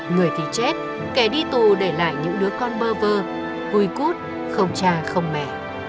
người thì chết kẻ đi tù để lại những đứa con bơ vơ hùi cút không cha không mẹ